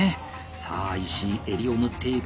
さあ石井襟を縫っていく。